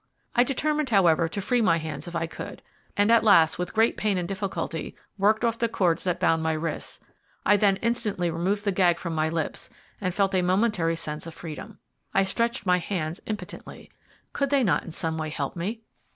I determined, however, to free my hands if I could, and at last, with great pain and difficulty, worked off the cords that bound my wrists. I then instantly removed the gag from my lips, and felt a momentary sense of freedom. I stretched out my hands impotently. Could they not in some way help me?